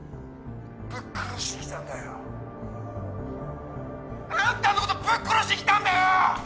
ぶっ殺しに来たんだよあんたのことぶっ殺しに来たんだよ！